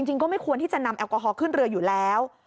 ก็ไม่ควรที่จะนำแอลกอฮอลขึ้นเรืออยู่แล้ว